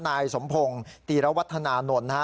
โดยสมพงศ์ติระวัฒนานนทร์นะคะ